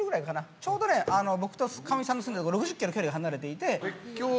ちょうど僕とかみさんの住んでいたところが６０ｋｍ距離が離れていて。